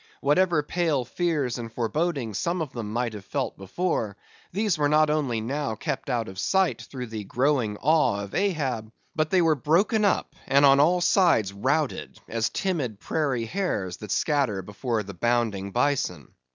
Whatever pale fears and forebodings some of them might have felt before; these were not only now kept out of sight through the growing awe of Ahab, but they were broken up, and on all sides routed, as timid prairie hares that scatter before the bounding bison.